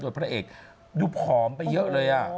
พระเอกดูผอมไปเยอะเลย